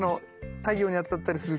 太陽に当たったりすると。